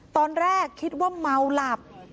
ตอนแรกคิดว่าเมาหลับ